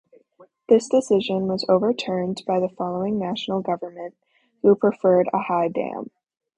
This decision was overturned by the following National government, who preferred a high dam.